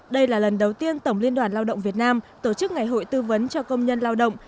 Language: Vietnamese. đây là lần đầu tiên tổng liên đoàn lao động việt nam tổ chức ngày hội tư vấn cho công nhân lao động